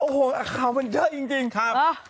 โอ้โหข่าวมันเยอะจริงครับ